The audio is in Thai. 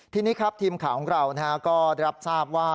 ทีนี้ครับทีมข่าวของเราก็รับทราบว่า